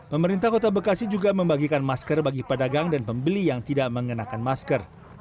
pemerintah kota bekasi juga membagikan masker bagi pedagang dan pembeli yang tidak mengenakan masker